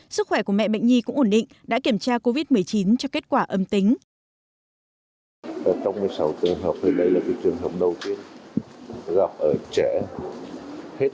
sức khỏe của mẹ bệnh nhi cũng ổn định đã kiểm tra covid một mươi chín cho kết quả âm tính